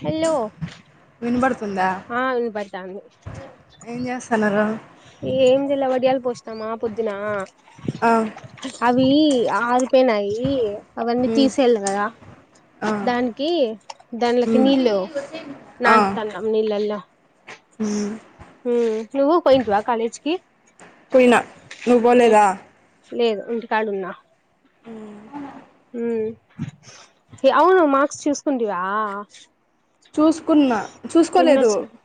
hello వినబడుతుందా ఆ వినప తాంది ఏం చేస్తన్నారు ఏందిల వడియాల్ పోస్నామ పొద్దున అ ఈ ఆవ్ పోయినాయి అవన్నీ హ్మ్ తీసేయల్ల కదా ఆ దానికి దాన్లకి హ్మ్ నీళ్ళో ఆ నాన్పుతన్నం నీళ్ళల్లో హ్మ్ మ్మ్ నువ్వు పోయింటివా కాలేజ్కి పొయినా నువ్వు ఏ పోలేదా లేదు ఇంటికాడున్నా హ్మ్ హ్మ్ అవును మార్క్స్ చూస్కింటివా చూసుకున్న చూసుకోలేదు ఎన్నొచ్చినయ్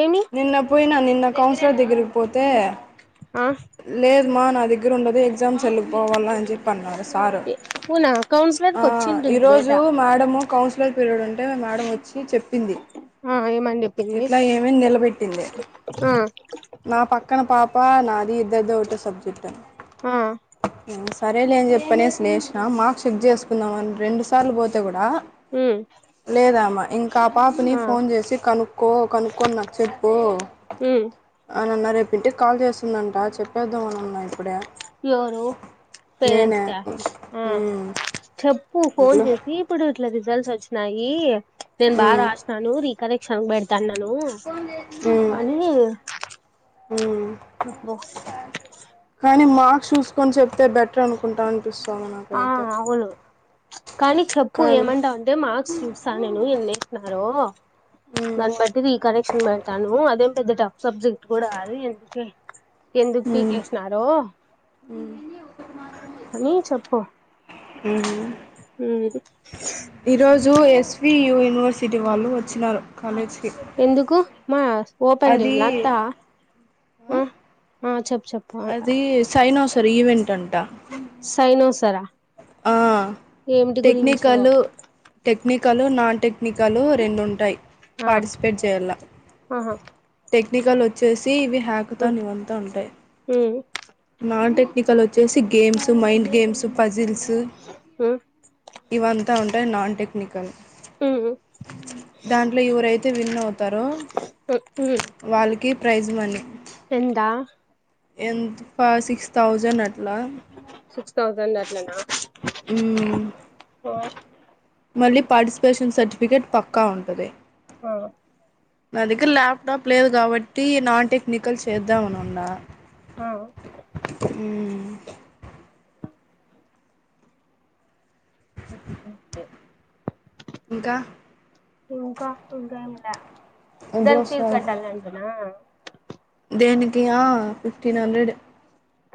ఏమి నిన్న పోయిన నిన్న కౌన్సిలర్ దగ్గరికి పోతే ఆ లేదు మా నాదెగ్ దగ్గర ఉండదు ఎగ్జామ్స్ సెల్లు కి పోవాళ్ల అని చెప్పి అన్నారు సారు అవునా కౌన్సిలర్కి ఆ వచ్చింటుంది ఈరోజు డేటా మేడం కౌన్సిలర్ పీరియడ్ ఉంటే మేడమ్ వచ్చి చెప్పింది ఆ ఏమని చెప్పింది ఇట్లా ఏమి నిలబెట్టింది ఆ నా పక్కన పాప నా దయితే ఒకటె సబ్జెక్ట్ అని ఆ మ్మ్ సరేలే అని చెప్పనేసి లేసిన మార్క్స్ చెక్ చేసు కున్నావా అని రెండు సార్లు పోతే కూడా ఉమ్ లేదమ్మ ఇంకా ఆ పాపని ఆ ఫోన్ చేసి కనుకో కనుకోని నాకు చెప్పు ఉమ్ అని ఇంటికి కాల్ చేస్తుందను అ చెప్పేద్దాం అనున్నా ఇప్పుడే ఎవరు నేనే పేరెంట్స్ కా ఉమ్ చెప్ కు ఫోన్ ఇంట్లో చేసి ఇప్పుడు ఇట్ల రిజల్ట్స్ వచ్చినాయి నేను బా ఉమ్ రాసినాను రి కరెక్షన్ కు పెడతన్న ను అని మ్మ్ చెప్పు కానీ మార్క్ చూస్ కోని చెప్తే బెటర్ అనుకుంటా అనిపిస్ ఆ అవును కానీ చెప్పు కానీ ఏమంటావంటే మార్క్స్ చూస్తాను నేను ఎన్నేసినారో ఉమ్ దాని బట్టి రికరెక్షన్ పెడతాను అదే పెద్ద టఫ్ సబ్జెక్ట్ కూడా కాదు ఎందుకే ఎందుకు ఉమ్ పీకేసినారో అని చెప్పు పో ఉమ్ హ్మ్ ఈరోజు ఎస్ యూనివర్సిటీ వాళ్ళు వచ్చినారు కాలేజ్కి ఎందుకు మా ఓపెన్ చేయ్ అది లతా ఆ ఆ చెప్ అది సైనోస్ ప్రివెంట్ అంట సైనోసరా ఆ ఏమిటి గురించో టెక్నికల్ టెక్నికల్ నాన్ టెక్నికల్ గలు రెండు ఉంటాయి ఆ పార్టిసిపేట్ చేయాల ఆహా టెక్నికల్ వచ్చేసి ఇవి ఉ హ్యాకోథన్ ఇవ్వంతా ఉంటాయి ఉ ఉ నాన్ టెక్నికల్ వచ్చేసి గేమ్స్ మైండ్ గేమ్స్ పజిల్స్ ఉ ఇవంతా ఉంటయి నాన్ టెక్నికల్ ఉ దాంట్లో ఎవరైతే విన్ అవుతారో వాళ్ళకి ప్రైజ్ మనీ ఎందా ఎందు ఫ సిక్స్ థౌజండ్ అట్లా సిక్స్ థౌజండ్ అట్లనా హ్మ్ ఆ మళ్ళీ పార్టిసిపేషన్ సర్టిఫికేట్ పక్కా ఉంటది ఆ నా దగ్గర ల్యాప్టాప్ లేదు కాబట్టి నాన్ టెక్నికల్ చేద్దామని ఉన్నా ఆ హ్మ్ ఇంకా [unintelligible] ఇంకా ఇంకేమి లే ఎప్పుడు దానికి ఫీజ్ వస్తావు కట్టాల అంటనా దేనికి ఆ ఫిఫ్టీన్ హండ్రెడ్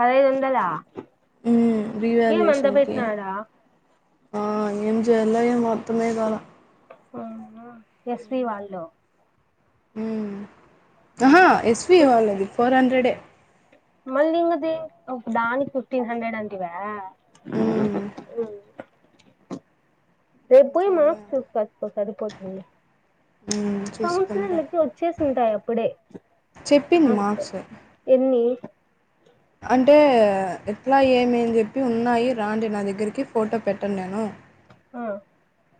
ఐదు వందలా హ్మ్ ఏమంత రివేల్యుయేషన్ కి పెట్టినాడా ఆ ఏం చేయాలో ఏమో మొత్తమే గోల యస్వీ వాళ్ళు హ్మ్ ఆహ ఎస్వి వాళ్ళది ఫోర్ హండ్ వీడే మళ్ళీ ఇంక దేనికి దానికిి ఫిఫ్టీన్ హండ్రెడ్ అంటివా ఊ ఉ ఉ [inaudible] రేపు పోయి చేయాల మార్క్స్ చూసుకచ్చుకో సరిపోతుంది చూసుకుంటా కౌన్సిలర్లకి వచ్చేసి ఉంటాయి అప్పుడే చెప్పింది మార్కుసు మార్క్స్ ఎన్ని అంటే ఎట్లా ఏమేన్ చెప్పి ఉన్నాయి రాండి నా దగ్గరికి ఫోటో పెట్టన్ నేను ఆ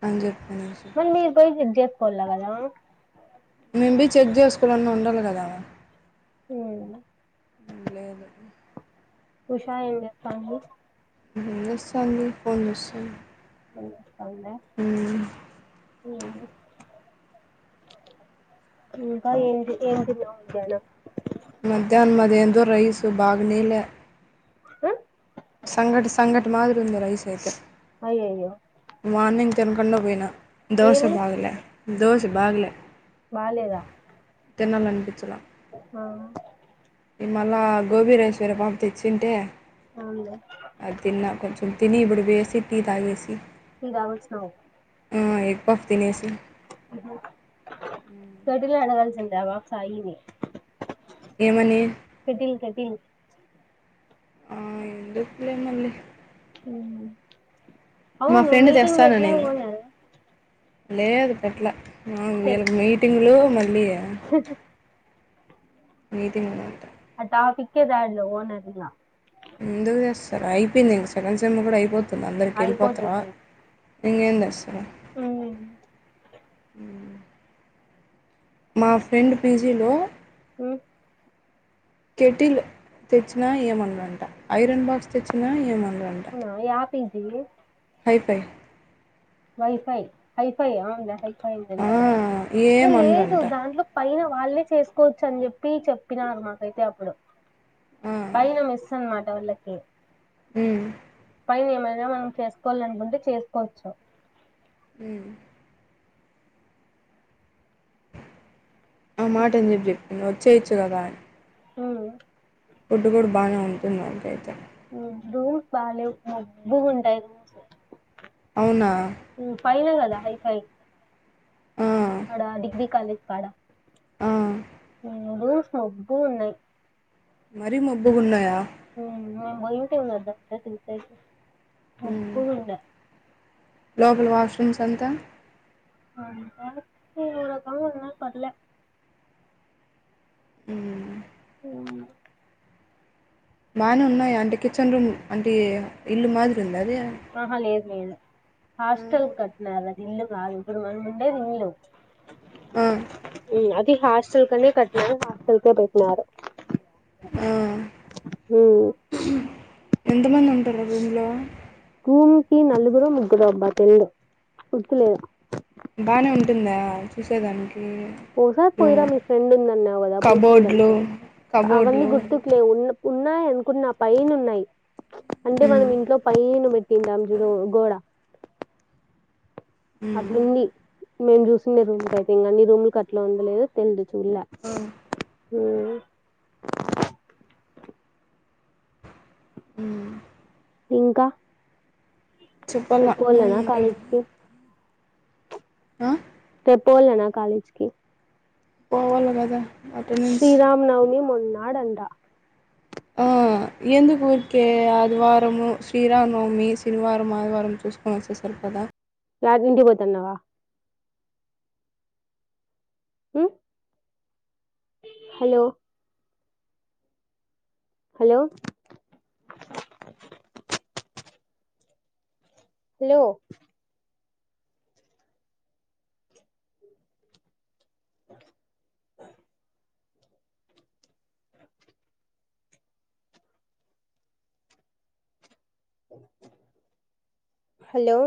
అన్ జెప్ మరి మీరు [unintelligible] జక్ పొల్లగదా మేమ్ బి చెక్ చేసుకోవాలన్నా ఉండాలి కదా ఉమ్ లేదు ఉషా ఏం జేతంది ఏం జేస్తంది ఫోన్ జుస్తంది అన్నా అవుంద ఊ ఇంక ఏంటి ఏం తిన్నావ్ ద్యానం [unintelligible] మధ్యాహ్నం మదేంద్ ఇదిగో రైస్ బాగనీలే అ సంగటి సంగటి మాదిరి ఉంది రైస్ అయితే అయ్యయ్యో మార్నింగ్ తినకుండా పొయినా దోస ఏమి బాగలే దోస బాగలే బాలేదా తినాలనిపించల ఆ మళ్ళగోబీ రైస్ వేరే పాప తెచ్చింటే అవునులే అది తిన్న కొంచెం తిని ఇపుడు వేసి టీ తాగేసి టీ దాగొచ్చినవ్ ఆ ఎగ్ పఫ్ తినేసి సాటిలే ఆడ గలిసి అందావ సాయిని ఏమని టీ ఆ ఎందుకులే మళ్ళీ ఊమ్ మా అవును ఫ్రెండ్ మీటింగ్ బెట్లే తెస్తాననింది లేదు పెట్టల ఆ వీళ్ళకు మీటింగులు మీయా నీతి [unintelligible] [unintelligible] ఎందుకు చేస్తారు అయిపోయింది ఇంక సెకండ్ సేమ్ కూడా అయిపోతు అందరికీ వెళ్ళిపోతారా అయిపోతుంది ఇంకేం తెస్ [inaudible] మా ఫ్రెండ్ పీజీలో మ కెటిల్ తెచ్చినా ఏమనరంట ఐరన్ బాక్స్ తెచ్చిన ఏమన వంట పిజిఏ అయిపోయే వైఫై వైఫై అవును వఫై ఆ లేదు ఏమనరంట దాంట్లో పైన వాళ్ళే చేసుకోవచ్చు అని చెప్పి చెప్పినారు మాకైతే అప్పుడు ఆ పైన మిస్ అన్ మా వాళ్ళకి హ్మ్ పైన ఏమైనా మనం చేసుకోవాలనుకుంటే చేసుకోవచ్చు హ్మ్ ఆ మాట ఎందుకు చెప్ వచ్చేయొచ్చు గద హ్మ్ ఫుడ్ కూడా బానే ఉంటుంది నాకైతే ఫుడ్డు భలే మబ్బుగుంటాయి అవునా హ్మ్ పైన కదా వైఫై ఆ కడ ఆ ఆడు మబ్బు ఉన్నాయ్ మరి మబ్బుగున్నాయా హ్మ్ మేము బోయి ఉంటిమి గద [unintelligible] ఉమ్ మబ్బు గుండె లోపల వాష్రూమ్స్ అంతా [unintelligible] పర్లే హ్మ్ [unintelligible] బానే ఉన్నాయి అంటే కిచెన్ రూమ్ అంటే ఇల్లు మాదిరి ఉం లాదే ఆహా లేదు లేదు హాస్టెల్ కట్నర ఇల్లు కాదు మనం ఎపుడు ఉండేది ఇల్లు ఆ అది హాస్టల్ కనే కట్నా హాస్టల్ కె పెట్టినారు ఆ ఉమ్ ఎంతమంది ఉంటారు రూమ్లో భూమ్కి నలుగురు ముగ్గురు అబ్బా తెలిదు గుర్తులేదు బానే ఉంటుందా చూసేదాని ఒకసారి పోయిరా మీ ఫ్రెండ్ ఉందన్నా వ్గ అప్పుడు చూడంత కబోర్డ్లు అవన్నీ కబోర్డ్లు గుర్తుకు లేవు ఉన్న ఉన్నాయి అనుకున్న పైన ఉన్నాయి అంటే ఉమ్ మనం ఇంట్లో పైన పెట్ నంజుడో గోడ ఉమ్ అట్లుంది మేము చూసినే రూమ్ టైతే ఇంకా అన్ని రూమ్లు అట్ ఉలేదు తెల్లిదు చూల్ల ఆ స మ్ ఇంకా చెప్పాల పోలనా ఏమంటే కాలెజ్కి ఆ పోలెనా కాలేజ్కి పోవలె కదా అటెండెన్స్ శ్రీరామ్ నవమి మొన్నాడంట ఆ ఎందుకు ఊరికే ఆదివారము శ్రీరానవమి శనివారం ఆదివారం చూసుకొని వొస్తె సరిపొ దా రాజుంటికి పోతన్నావా మ్ హలో హలో హలో హలో